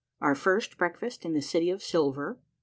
— OUR FIRST BREAKFAST IN THE CITY OF SILVER.